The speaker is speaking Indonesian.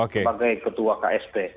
sebagai ketua ksp